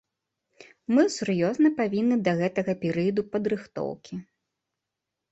Мы сур'ёзна павінны да гэтага перыяду падрыхтоўкі.